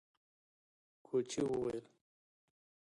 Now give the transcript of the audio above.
کوچي وويل: